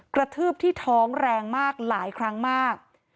กระทืบที่ท้องแรงมากหลายครั้งมาก